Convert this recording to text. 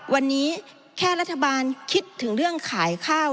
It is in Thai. วันนี้แค่รัฐบาลคิดถึงเรื่องขายข้าว